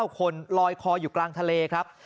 ๙คนลอยคออยู่กลางทะเลครับ